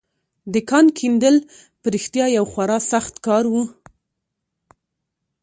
د کان کیندل په رښتيا يو خورا سخت کار و.